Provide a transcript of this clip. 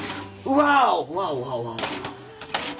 ワオワオワオ。